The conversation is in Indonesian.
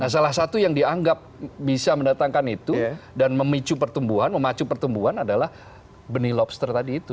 salah satu yang dianggap bisa mendatangkan itu dan memicu pertumbuhan memacu pertumbuhan adalah benih lobster tadi itu